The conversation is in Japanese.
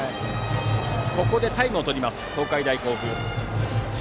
ここでタイムを取ります東海大甲府。